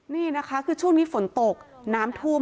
นี่นะคะคือช่วงนี้ฝนตกน้ำท่วม